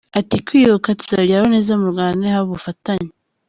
Ati “ Kwiyubaka tuzabigeraho neza mu Rwanda nihaba ubufatanye.